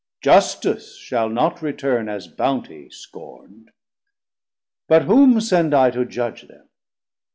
Justice shall not return as bountie scorn'd. But whom send I to judge them?